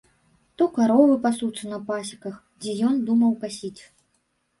То каровы пасуцца на пасеках, дзе ён думаў касіць.